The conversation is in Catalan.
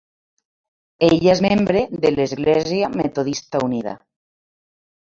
Ella és membre de l'Església Metodista Unida.